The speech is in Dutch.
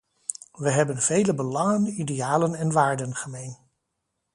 We hebben vele belangen, idealen en waarden gemeen.